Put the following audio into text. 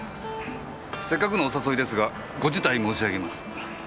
せっかくのお誘いですがご辞退申し上げます。